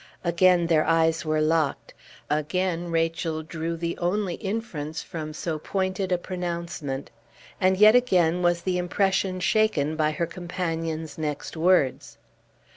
Again their eyes were locked; again Rachel drew the only inference from so pointed a pronouncement, and yet again was the impression shaken by her companion's next words.